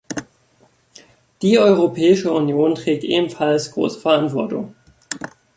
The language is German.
Die Europäische Union trägt ebenfalls große Verantwortung.